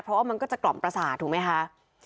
เพราะว่ามันก็จะกล่อมประสาทถูกไหมคะ